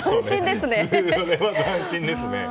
それは斬新ですね。